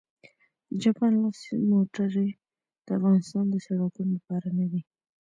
د جاپان لاس موټرې د افغانستان د سړکونو لپاره نه دي